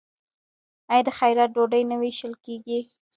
آیا د خیرات ډوډۍ نه ویشل کیږي؟